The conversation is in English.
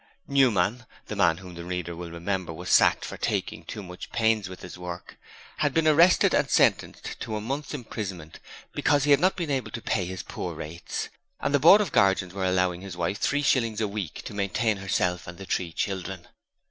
Newman the man whom the reader will remember was sacked for taking too much pains with his work had been arrested and sentenced to a month's imprisonment because he had not been able to pay his poor rates, and the Board of Guardians were allowing his wife three shillings a week to maintain herself and the three children.